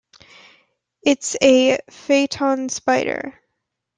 It's a Phaeton Spider.